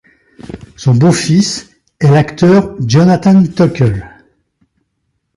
Son beau-fils est l'acteur Jonathan Tucker.